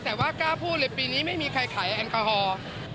แต่ว่ากล้าพูดเลยปีนี้ไม่มีใครขายแอลกอฮอล์